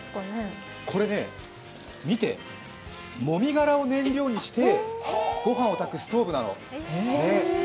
これね、見てもみ殻を燃料にしてご飯を炊くストーブなの。